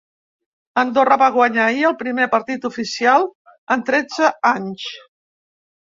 Andorra va guanyar ahir el primer partit oficial en tretze anys.